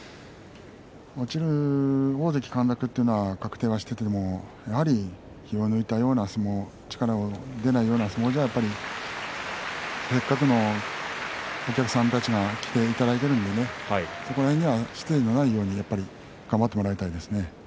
大関陥落というのは確定していてもやはり気を抜いたような相撲力の出ないような相撲ではせっかくお客さんたちに来ていただいているのでそこには失礼のないように頑張ってもらいたいですね。